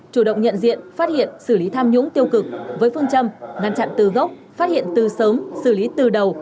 chủ động nhận diện phát hiện xử lý tham nhũng tiêu cực với phương châm ngăn chặn từ gốc phát hiện từ sớm xử lý từ đầu